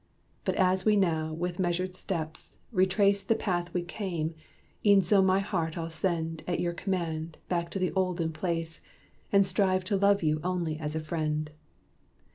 But as we now, with measured steps, retrace The path we came, e'en so my heart I'll send, At your command, back to the olden place, And strive to love you only as a friend."